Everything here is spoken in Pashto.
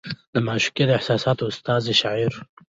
د معشوقې د احساساتو استازې شاعري